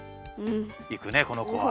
いくねこのこは。